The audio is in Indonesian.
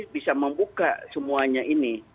bisa membuka semuanya ini